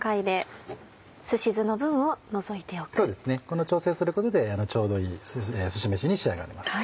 この調整をすることでちょうどいいすし飯に仕上がります。